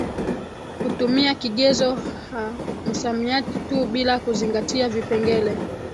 hutumia kigezo ha msamiati tu bila kuzingatiavipengele